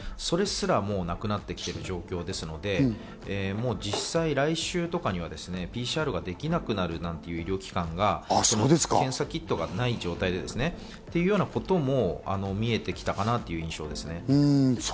それすらもなくなってきている状況ですので、実際、来週とかにはＰＣＲはできなくなるなんていう医療機関が、検査キットがない状態でですねということも見えてきたかなという印象です。